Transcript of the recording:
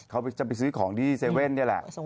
เขาจะไปซื้อของที่๗๑๑นี่แหละ